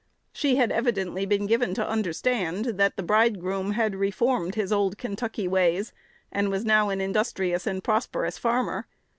She had evidently been given to understand that the bridegroom had reformed his old Kentucky ways, and was now an industrious and prosperous farmer.